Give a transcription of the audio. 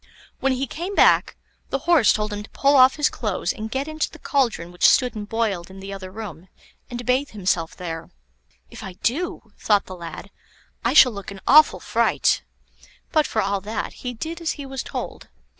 When he came back, the Horse told him to pull off his clothes and get into the cauldron which stood and boiled in the other room, and bathe himself there. "If I do," thought the lad, "I shall look an awful fright;" but for all that, he did as he was told.